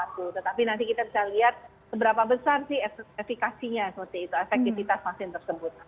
tetapi nanti kita bisa lihat seberapa besar sih efekasinya seperti itu efektivitas vaksin tersebut